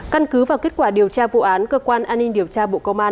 căn cứ vào kết quả điều tra vụ án cơ quan an ninh điều tra bộ công an